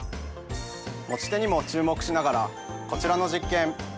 持ち手にも注目しながらこちらの実験。